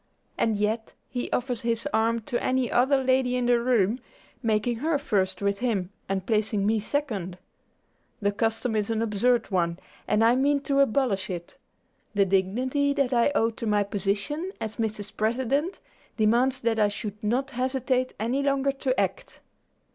And yet he offers his arm to any other lady in the room, making her first with him and placing me second. The custom is an absurd one, and I mean to abolish it. The dignity that I owe to my position, as Mrs. President, demands that I should not hesitate any longer to act."